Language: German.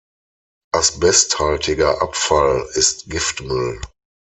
Asbesthaltiger Abfall ist Giftmüll.